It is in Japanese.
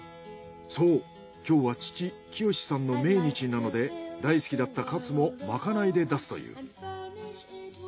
そう今日は父清司さんの命日なので大好きだったカツもまかないで出すという。